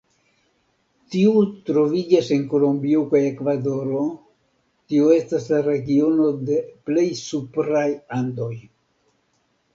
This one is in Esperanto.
Tiu troviĝas en Kolombio kaj Ekvadoro, tio estas la regiono de plej supraj Andoj.